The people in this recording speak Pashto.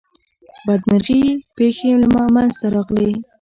بدمرغي پیښی منځته راغلې.